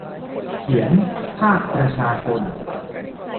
เขียน :'ภาคประชาชน'